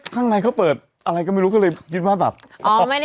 ข้างในเขาเปิดอะไรก็ไม่รู้ก็เลยคิดว่าแบบ